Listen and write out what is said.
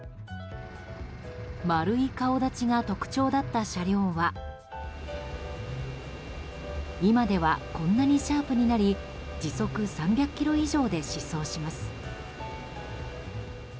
丸い顔立ちが特徴だった車両は今ではこんなにシャープになり時速３００キロ以上で疾走します。